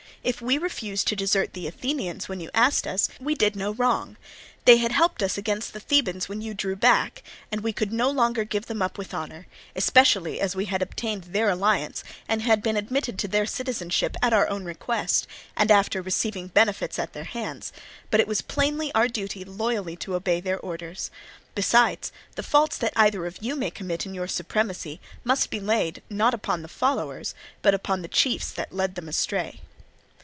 If we refused to desert the Athenians when you asked us, we did no wrong; they had helped us against the Thebans when you drew back, and we could no longer give them up with honour; especially as we had obtained their alliance and had been admitted to their citizenship at our own request, and after receiving benefits at their hands; but it was plainly our duty loyally to obey their orders. Besides, the faults that either of you may commit in your supremacy must be laid, not upon the followers, but on the chiefs that lead them astray.